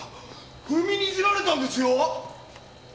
踏みにじられたんですよ！？